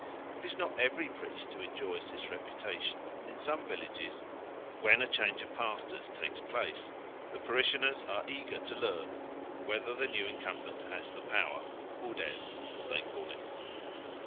It is not every priest who enjoys this reputation; and in some villages, when a change of pastors takes place, the parishioners are eager to learn whether the new incumbent has the power (pouder), as they call it.